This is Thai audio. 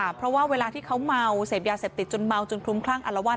ใช่ค่ะเพราะว่าเวลาที่เค้าเมาเศษยาเสศติจนเมาจนคลุมคลั่งอลาวาช